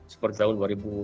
seperti tahun dua ribu sembilan